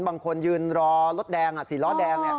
บางคนยืนรอรถแดง๔ล้อแดง